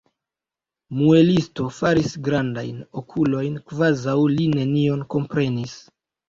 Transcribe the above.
Muelisto faris grandajn okulojn, kvazaŭ li nenion komprenis.